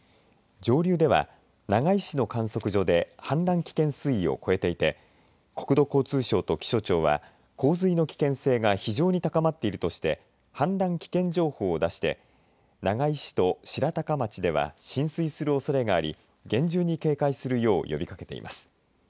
上流では長井市の観測所で氾濫危険水位を超えていて国土交通省と気象庁は洪水の危険性が非常に高まっているとして氾濫危険情報を出して長井市と白鷹町では浸水するおそれがあり厳重に警戒するよう呼びかけています。